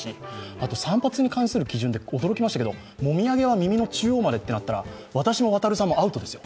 あと散髪に関しての記述で驚きましたけど、もみあげは耳の中央までとなったら、私も亘さんもアウトですよ。